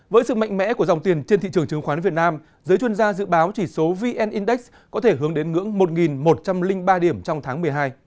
với sự mạnh mẽ của dòng tiền trên thị trường chứng khoán việt nam giới chuyên gia dự báo chỉ số vn index có thể hướng đến ngưỡng một một trăm linh ba điểm trong tháng một mươi hai